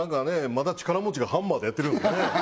まだ力持ちがハンマーでやってるもんね